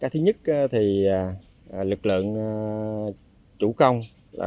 thứ nhất lực lượng chủ nghĩa